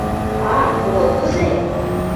— Ах, вот кузе!